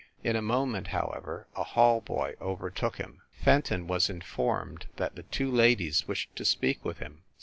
In a moment, however, a hall boy overtook him. Fenton was informed that the two ladies wished to speak with him.